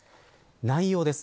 内容です。